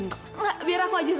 nggak biar aku ajarin